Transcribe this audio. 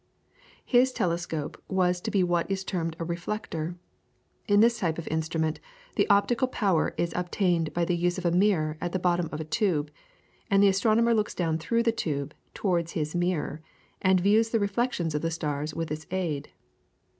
His telescope was to be what is termed a reflector. In this type of instrument the optical power is obtained by the use of a mirror at the bottom of the tube, and the astronomer looks down through the tube TOWARDS HIS MIRROR and views the reflection of the stars with its aid.